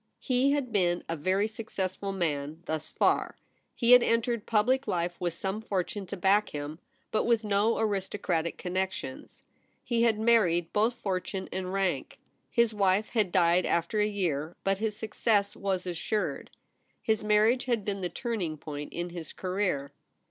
He had been a very successful man thus far. He had entered public life with some fortune to back him, but with no aristocratic connexions. He had married both fortune and rank. His wife had died after a year, but his success was assured. His marriage had been the turning point in his career.